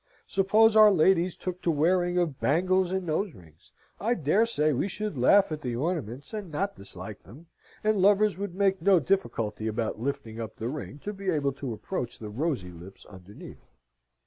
Suppose our ladies took to wearing of bangles and nose rings? I dare say we should laugh at the ornaments, and not dislike them, and lovers would make no difficulty about lifting up the ring to be able to approach the rosy lips underneath.